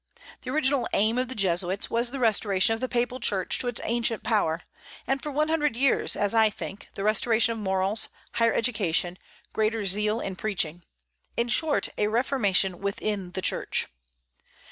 The original aim of the Jesuits was the restoration of the Papal Church to its ancient power; and for one hundred years, as I think, the restoration of morals, higher education, greater zeal in preaching: in short, a reformation within the Church.